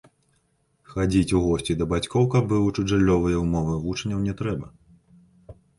Хадзіць у госці да бацькоў, каб вывучыць жыллёвыя ўмовы вучняў, не трэба.